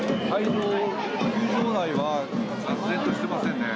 球場内は雑然としていませんね。